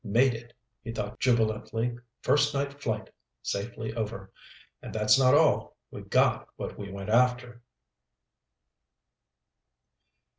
Made it, he thought jubilantly. First night flight, safely over. And that's not all. We got what we went after!